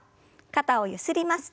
肩をゆすります。